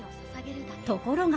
ところが。